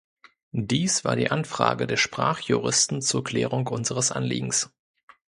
Dies war die Anfrage der Sprachjuristen zur Klärung unseres Anliegens.